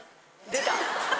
出た！